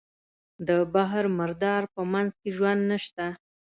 د بحر مردار په منځ کې ژوند نشته.